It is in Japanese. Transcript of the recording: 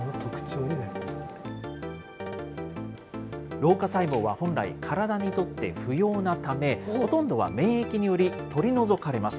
老化細胞は本来、体にとって不要なため、ほとんどは免疫により取り除かれます。